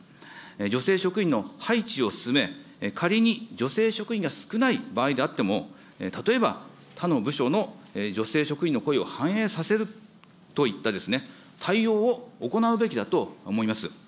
女性職員の配置を進め、仮に女性職員が少ない場合であっても、例えば他の部署の女性職員の声を反映させるといった、対応を行うべきだと思います。